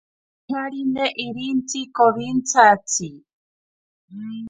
Nocharine irintsi komitsantsi.